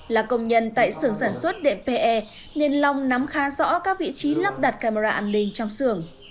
là công nhân tại xưởng sản xuất đệm pe nên long nắm khá rõ các vị trí lắp đặt camera an ninh trong xưởng